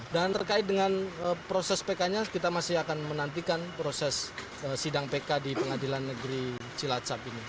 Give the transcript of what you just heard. dan terkait dengan proses pk nya kita masih akan menantikan proses sidang pk di pengadilan negeri cilacap ini